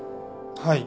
はい。